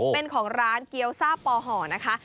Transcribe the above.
เป็นของร้านเกี้ยวซ่าปอห่อนะคะ